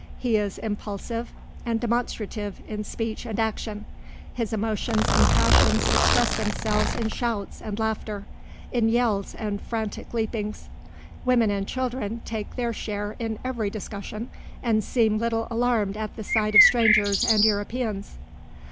He is impulsive and demonstrative in speech and action. His emotions and passions express themselves in shouts and laughter, in yells and frantic leapings. Women and children take their share in every discussion, and seem little alarmed at the sight of strangers and Europeans.